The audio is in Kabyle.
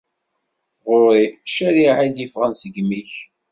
Ɣur-i, ccariɛa i d-iffɣen seg yimi-k.